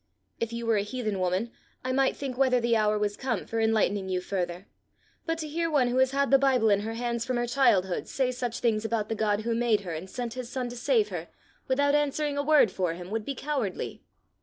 If you were a heathen woman I might think whether the hour was come for enlightening you further, but to hear one who has had the Bible in her hands from her childhood say such things about the God who made her and sent his Son to save her, without answering a word for him, would be cowardly!"